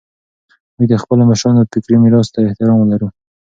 موږ د خپلو مشرانو فکري میراث ته احترام لرو.